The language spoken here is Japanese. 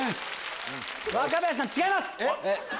若林さん違います。